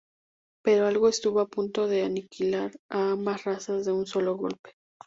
Pero algo estuvo a punto de aniquilar a ambas razas de un solo golpe.